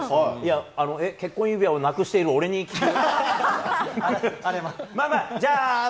結婚指輪をなくしている俺に聞く？